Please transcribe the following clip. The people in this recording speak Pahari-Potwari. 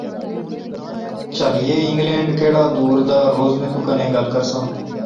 چہلئے، انگلینڈ کیڑا دور دا روز میں تو کنے گل کرساں